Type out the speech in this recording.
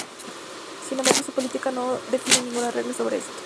Sin embargo su política no define ninguna regla sobre esto.